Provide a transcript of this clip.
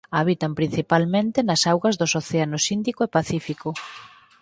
Habitan principalmente nas augas dos Océanos Índico e Pacífico.